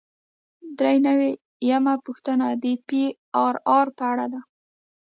درې نوي یمه پوښتنه د پی آر آر په اړه ده.